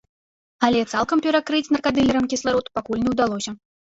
Але цалкам перакрыць наркадылерам кісларод пакуль не ўдалося.